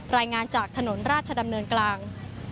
รายงานจากถนนราชดำเนินกลาง